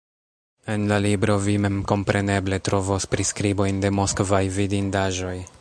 En la libro vi memkompreneble trovos priskribojn de moskvaj vidindaĵoj.